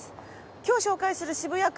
今日紹介する渋谷区。